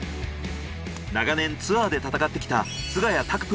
長年ツアーで戦ってきた菅谷拓